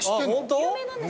有名なんですか？